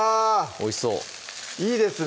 おいしそういいですね！